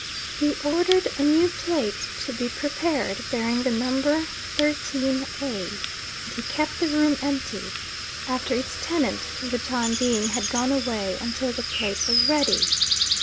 He ordered a new plate to be prepared, bearing the number, '13 A'; and he kept the room empty, after its tenant for the time being had gone away, until the plate was ready.